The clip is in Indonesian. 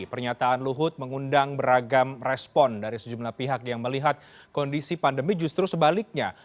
pernyataan luhut mengundang beragam respon dari sejumlah pihak yang melihat kondisi pandemi justru sebaliknya